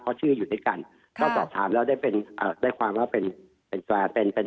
เขาชื่ออยู่ด้วยกัน